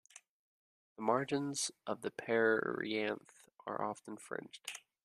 The margins of the perianth are often fringed.